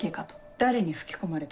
誰に吹き込まれた？